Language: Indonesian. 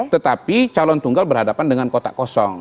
tetapi calon tunggal berhadapan dengan kotak kosong